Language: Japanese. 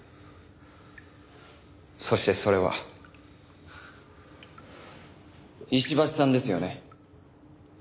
そしてそれは石橋さんですよね。